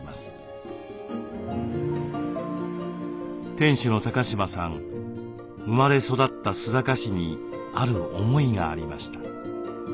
店主の高島さん生まれ育った須坂市にある思いがありました。